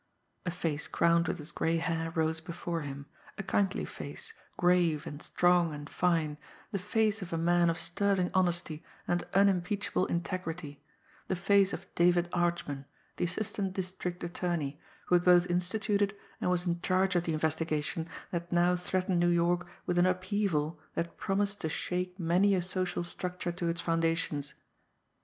A face crowned with its gray hair rose before him, a kindly face, grave and strong and fine, the face of a man of sterling honesty and unimpeachable integrity the face of David Archman, the assistant district attorney, who had both instituted and was in charge of the investigation that now threatened New York with an upheaval that promised to shake many a social structure to its foundations.